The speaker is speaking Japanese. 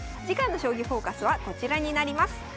次回の「将棋フォーカス」はこちらになります。